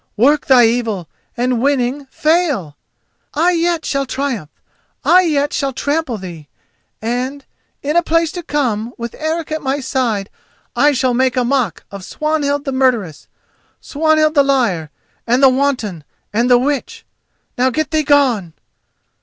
Work thy evil, and winning, fail! I yet shall triumph—I yet shall trample thee; and, in a place to come, with Eric at my side, I shall make a mock of Swanhild the murderess! Swanhild the liar, and the wanton, and the witch! Now get thee gone!"